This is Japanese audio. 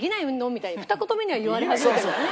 みたいにふた言目には言われ始めてるよね。